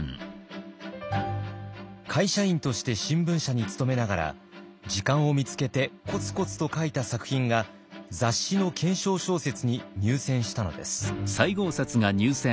会社員として新聞社に勤めながら時間を見つけてコツコツと書いた作品が雑誌の懸賞小説に入選したのです。